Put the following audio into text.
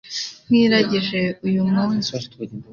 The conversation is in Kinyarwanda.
nkwiragije uyu munsi